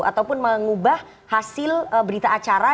ataupun mengubah hasil berita acara